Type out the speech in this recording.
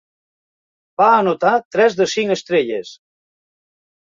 Va anotar tres de cinc estrelles.